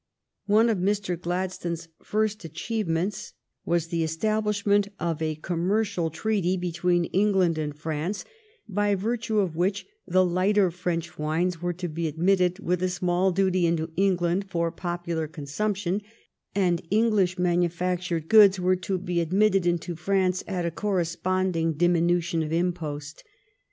One of Mr. Gladstone's first achievements was THE STORY OF GLADSTONE'S LIFE the establishment of a Commercial Treaty between England and France, by virtue of which the lighter French wines were tn be admitted with a small duty into England for popular consump tion, and English manufactured goods were to be admitted into France at a cor responding dimi nution of impost.